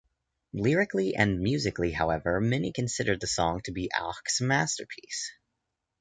Lyrically and musically, however, many consider the song to be Ochs' masterpiece.